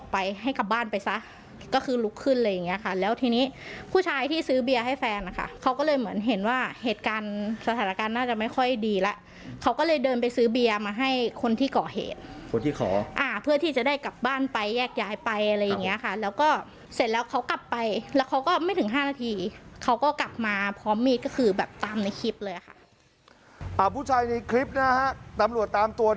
พี่ซื้อเบียร์ให้แฟนอ่ะค่ะเขาก็เลยเหมือนเห็นว่าเหตุการณ์สถานการณ์น่าจะไม่ค่อยดีแล้วเขาก็เลยเดินไปซื้อเบียร์มาให้คนที่ก่อเหตุคนที่ขออ่ะเพื่อที่จะได้กลับบ้านไปแยกย้ายไปอะไรอย่างเงี้ยค่ะแล้วก็เสร็จแล้วเขากลับไปแล้วเขาก็ไม่ถึง๕นาทีเขาก็กลับมาพร้อมมีก็คือแบบตามในคลิปเลยอ่ะค่ะผู้ชายในคลิปนะ